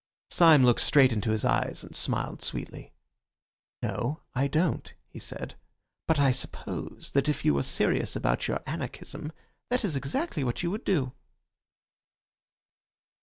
Syme looked straight into his eyes and smiled sweetly. "No, I don't," he said; "but I suppose that if you were serious about your anarchism, that is exactly what you would do."